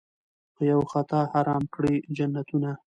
په یوه خطا حرام کړي جنتونه